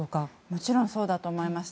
もちろんそうだと思います。